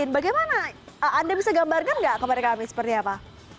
bagaimana anda bisa gambarkan nggak kepada kami seperti apa